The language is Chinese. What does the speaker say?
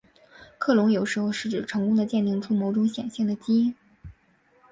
克隆有时候是指成功地鉴定出某种显性的基因。